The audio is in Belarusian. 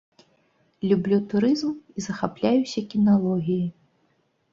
Люблю турызм і захапляюся кіналогіяй.